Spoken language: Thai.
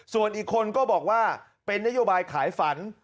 ส่วนอีกคนก็บอกว่าเป็นนโยบายขายฝัน